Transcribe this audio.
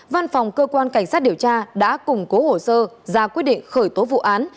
văn phòng cơ quan cảnh sát điều tra đã củng cố hồ sơ ra quyết định khởi tố vụ án